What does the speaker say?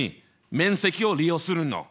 面積を利用するの。